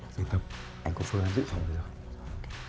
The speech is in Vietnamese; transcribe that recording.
dừng tập anh có phương làm giữ phòng bây giờ